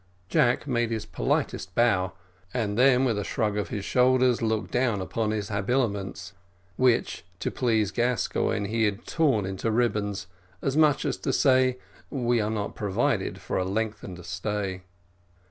Jack made his politest bow, and then with a shrug of his shoulders, looked down upon his habiliments, which, to please Gascoigne, he had torn into ribands, as much as to say, We are not provided for a lengthened stay.